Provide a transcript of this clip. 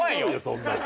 そんなの。